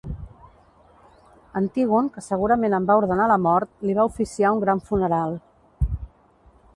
Antígon que segurament en va ordenar la mort, li va oficiar un gran funeral.